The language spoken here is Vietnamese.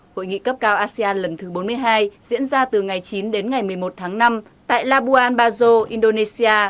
hội nghị cấp cao asean lần thứ bốn mươi hai diễn ra từ ngày chín đến ngày một mươi một tháng năm tại labuan bajo indonesia